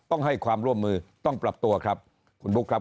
ต้องให้ความร่วมมือต้องปรับตัวครับคุณบุ๊คครับ